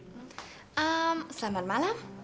hmm selamat malam